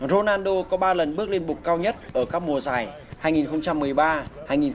ronaldo có ba lần bước lên bục cao nhất